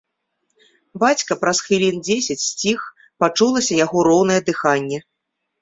Бацька праз хвілін дзесяць сціх, пачулася яго роўнае дыханне.